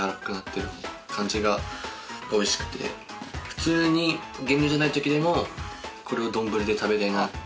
普通に減量じゃないときでもこれを丼で食べたいなっていう感じの。